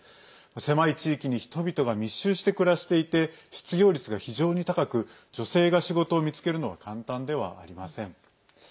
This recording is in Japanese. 狭い地域に人々が密集して暮らしていて失業率が非常に高く女性が仕事を見つけるのは簡単ではありません。